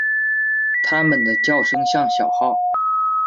它们的叫声像小号。